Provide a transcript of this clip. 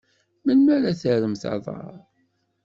Melmi ara terremt aḍar?